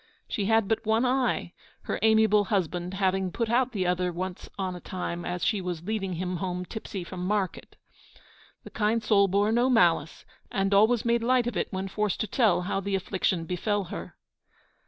She had but one eye, her amiable husband having put out the other once on a time as she was leading him home tipsy from market. The kind soul bore no malice, and always made light of it when forced to tell how the affliction befell her.